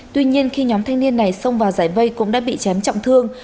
tuy nhiên khi nhóm thanh niên này xông vào giải vây cũng đã bị chém trọng thương